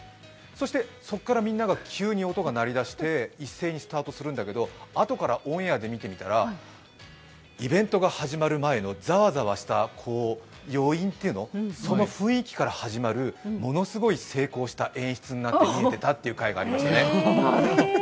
そして、そこから急に音が鳴り出して一斉にスタートするんだけど、あとからオンエアで見てみたら、イベントが始まる前のざわざわした余韻っていうの、その雰囲気から始まるものすごい成功した演出になって見えてたという回がありましたね。